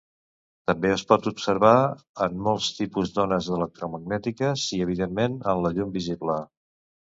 També es pot observar en molts tipus d'ones electromagnètiques i, evidentment, en la llum visible.